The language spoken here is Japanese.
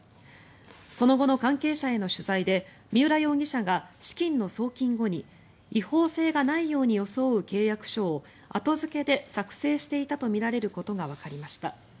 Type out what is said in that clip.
その後の関係者への取材で三浦容疑者が資金の送金後に違法性がないように装う契約書を後付けで作成していたとみられることがわかりました。